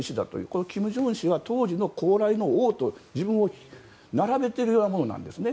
これは金正恩氏が当時の高麗の王と自分を並べているようなものなんですね。